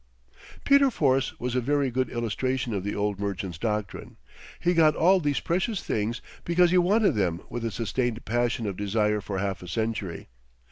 Peter Force was a very good illustration of the old merchant's doctrine. He got all these precious things because he wanted them with a sustained passion of desire for half a century.